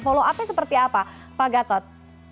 follow up nya seperti apa pak gatot